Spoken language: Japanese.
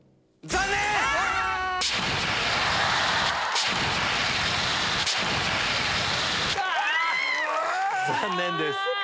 残念です。